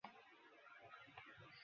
আমি তাকে দেখে চমকে উঠলাম।